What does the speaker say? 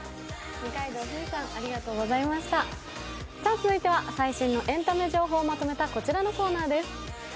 続いては最新のエンタメ情報をまとめたこちらのコーナーです。